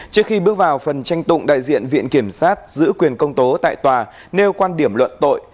trước khi bước vào phần tranh tụng đại diện viện kiểm sát giữ quyền công tố tại tòa nêu quan điểm luận tội